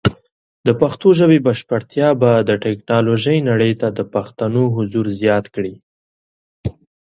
د پښتو ژبې بشپړتیا به د ټیکنالوجۍ نړۍ ته د پښتنو حضور زیات کړي.